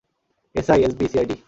SI, SB-CID.